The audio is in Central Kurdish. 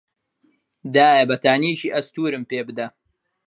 دایە، بەتانیێکی ئەستوورم پێ بدە.